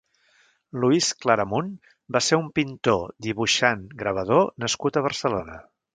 Luis Claramunt va ser un pintor, dibuixant, gravador nascut a Barcelona.